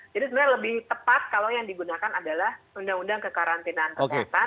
jadi sebenarnya lebih tepat kalau yang digunakan adalah undang undang kekarantinaan kesehatan